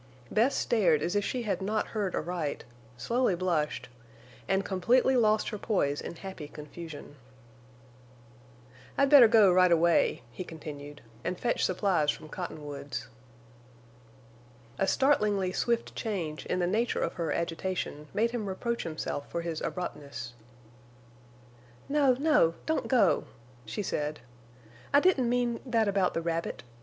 Bess stared as if she had not heard aright, slowly blushed, and completely lost her poise in happy confusion. "I'd better go right away," he continued, "and fetch supplies from Cottonwoods." A startlingly swift change in the nature of her agitation made him reproach himself for his abruptness. "No, no, don't go!" she said. "I didn't mean—that about the rabbit.